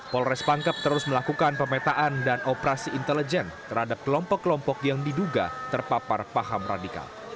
polres pangkep terus melakukan pemetaan dan operasi intelijen terhadap kelompok kelompok yang diduga terpapar paham radikal